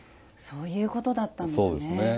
そういうことだったんですね。